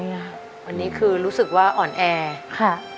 คุณยายแดงคะทำไมต้องซื้อลำโพงและเครื่องเสียง